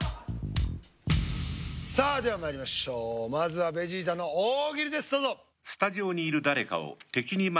さあではまいりましょうまずはベジータの大喜利ですどうぞ。